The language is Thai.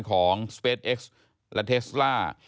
ของสเปสเอ็กซ์และเทสล่า